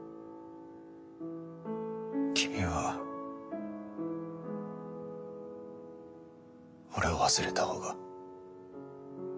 君は俺を忘れた方が。